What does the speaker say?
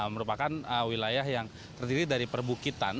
merupakan wilayah yang terdiri dari perbukitan